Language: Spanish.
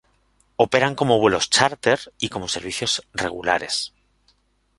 Operan como vuelos chárter y como servicios regulares.